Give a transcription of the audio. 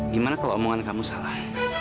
gimana kalau omongan kamu salah